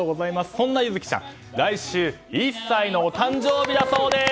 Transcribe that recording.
そんな柚希ちゃん来週１歳のお誕生日だそうです！